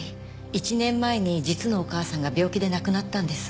１年前に実のお母さんが病気で亡くなったんです。